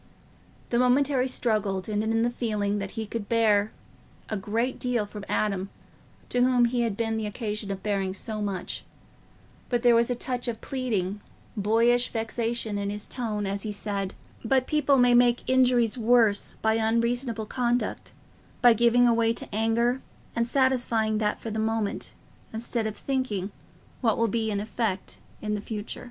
The momentary struggle ended in the feeling that he could bear a great deal from Adam, to whom he had been the occasion of bearing so much; but there was a touch of pleading, boyish vexation in his tone as he said, "But people may make injuries worse by unreasonable conduct—by giving way to anger and satisfying that for the moment, instead of thinking what will be the effect in the future.